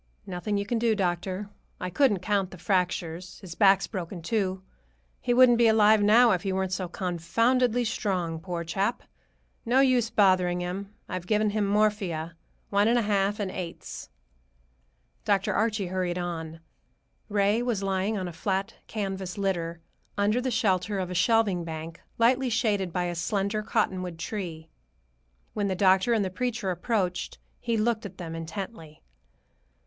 "Nothing you can do, doctor. I couldn't count the fractures. His back's broken, too. He wouldn't be alive now if he weren't so confoundedly strong, poor chap. No use bothering him. I've given him morphia, one and a half, in eighths." Dr. Archie hurried on. Ray was lying on a flat canvas litter, under the shelter of a shelving bank, lightly shaded by a slender cottonwood tree. When the doctor and the preacher approached, he looked at them intently.